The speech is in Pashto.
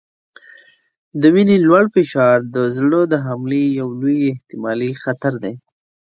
د وینې لوړ فشار د زړه د حملې یو لوی احتمالي خطر دی.